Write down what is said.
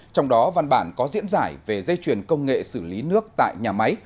trong đó văn bản có diễn giải về dây chuyền công nghệ xử lý nước tại nhà máy